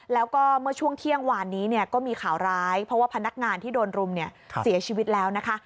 แล้วก็เมื่อช่วงเที่ยงวานนี้เนี่ยก็มีข่าวร้ายเพราะว่าพนักงานที่โดนรุมเนี่ยเสียชีวิตแล้วนะคะ